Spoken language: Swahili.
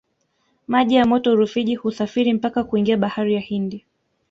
maji ya mto rufiji husafiri mpaka kuingia bahari ya hindi